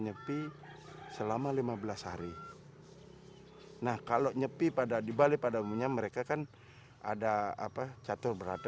nyepi selama lima belas hari nah kalau nyepi pada di bali pada umumnya mereka kan ada apa catur berata